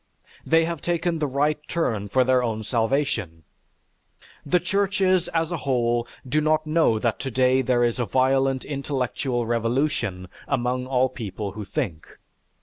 They have taken the right turn for their own salvation. The churches as a whole do not know that today there is a violent intellectual revolution among all people who think.